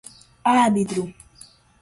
árbitro